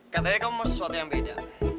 katanya kamu sesuatu yang beda